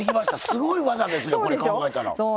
すごい技ですよこれ考えたら。